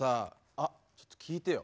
あちょっと聞いてよ。